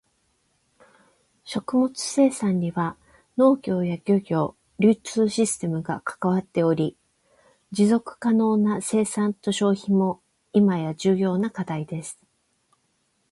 食物生産には農業や漁業、流通システムが関わっており、持続可能な生産と消費も今や重要な課題です。